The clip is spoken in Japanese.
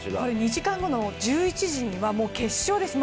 ２時間後の１１時には決勝です